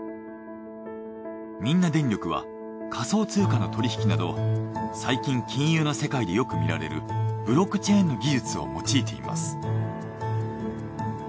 みんな電力は仮想通貨の取引など最近金融の世界でよくみられるブロックチェーンの技術を用いています。